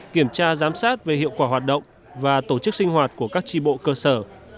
kiểm tra giám sát về hiệu quả hoạt động và tổ chức sinh hoạt của các tri bộ cơ sở